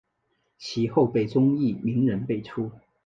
其后辈中亦名人辈出。